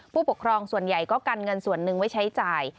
ผู้ปกครองส่วนใหญ่ก็กันเงินส่วนหนึ่งไว้ใช้จ่าย